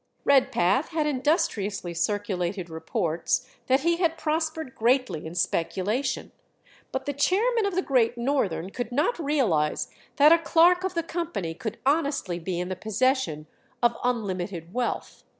Redpath had industriously circulated reports that he had prospered greatly in speculation; but the chairman of the Great Northern could not realize that a clerk of the company could honestly be in the possession of unlimited wealth.